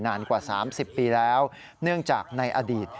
นานกว่า๓๐ปีแล้วเนื่องจากในอดีต